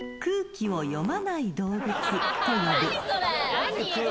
何？